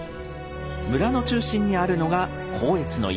村の中心にあるのが光悦の家です。